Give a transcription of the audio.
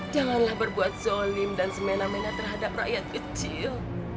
janganlah berbuat zolim dan semena mena terhadap rakyat kecil